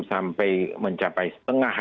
sampai mencapai setengah